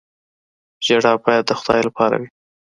ژړا باید د خدای لپاره وي.